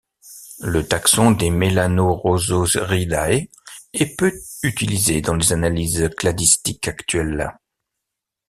Le taxon des Melanorosauridae est peu utilisé dans les analyses cladistiques actuelles.